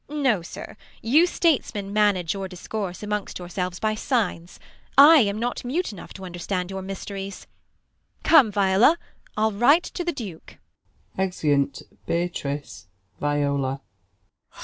Beat. No, sir, you Statesmen manage your discourse Amongst yourselves by signs. I am not mute Enough to underetand your mysteries. Come, Viola, Til write to the Duke I [Exeuni Beatrice, Viola.